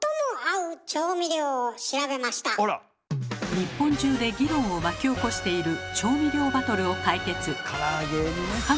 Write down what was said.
日本中で議論を巻き起こしている調味料バトルを解決！